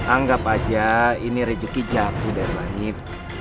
anggap aja ini rezeki jatuh dari langit